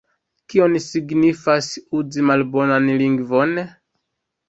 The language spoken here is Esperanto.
Kion signifas uzi malbonan lingvon?